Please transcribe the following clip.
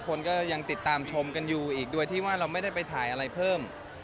คนก็ยังติดตามชมกันอยู่อีกโดยที่ว่าเราไม่ได้ไปถ่ายอะไรเพิ่ม